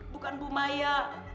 bukan bu maya